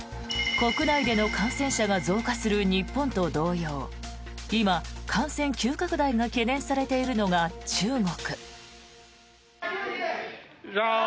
国内での感染者が増加する日本と同様今、感染急拡大が懸念されているのが中国。